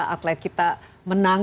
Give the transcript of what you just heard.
atlet kita menang